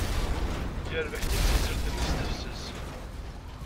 Yerbeḥ timsizzelt-nni s tefses.